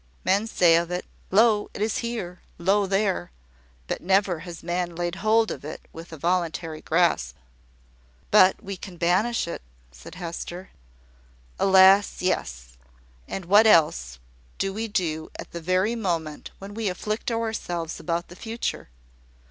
Men say of it `Lo! it is here!' `Lo! there!' but never has man laid hold of it with a voluntary grasp." "But we can banish it," said Hester. "Alas! yes: and what else do we do at the very moment when we afflict ourselves about the future?